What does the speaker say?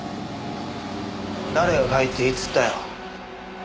誰が帰っていいっつったよ。